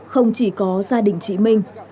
không chỉ có gia đình chị minh